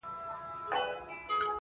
د اوسنیو او پخوانیو ادبي